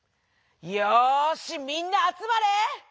「よしみんなあつまれ！